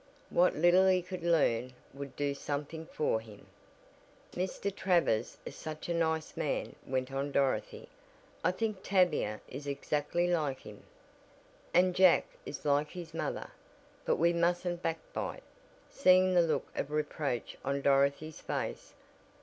What little he could earn would do something for him." "Mr. Travers is such a nice man," went on Dorothy, "I think Tavia is exactly like him." "And Jack is like his mother. But we musn't back bite," seeing the look of reproach on Dorothy's face.